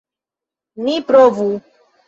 Ni provu!